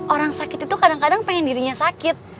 orang sakit itu kadang kadang pengen dirinya sakit